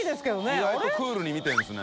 意外とクールに見てるんですね。